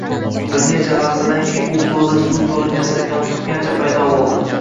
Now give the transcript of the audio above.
Bir necha lahzadan keyin u qo`lida suv solingan stakanni tutgancha paydo bo`ldi